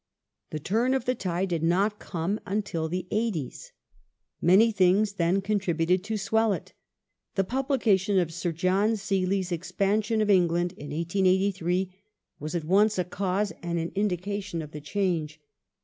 The turn of the tide did not come until the 'eighties. Many things then contributed to swell it. The publication of Sir John Seeley's Expansion of England in 1883 was at once a cause and an indication of the change.